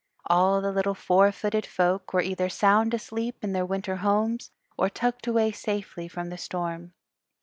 All the little Fourfooted Folk were either sound asleep in their winter homes or tucked away safely from the storm.